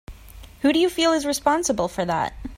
Who do you feel is responsible for that?